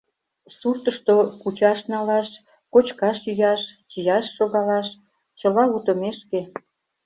Суртышто кучаш-налаш, кочкаш-йӱаш, чияш-шогалаш — чыла утымешке.